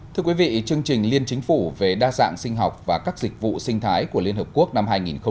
thưa quý vị chương trình liên chính phủ về đa dạng sinh học và các dịch vụ sinh thái của liên hợp quốc năm hai nghìn hai mươi